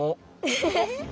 フフフ。